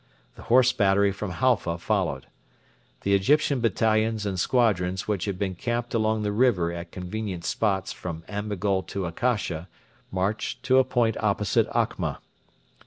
The Horse battery from Halfa followed. The Egyptian battalions and squadrons which had been camped along the river at convenient spots from Ambigole to Akasha marched to a point opposite Okma.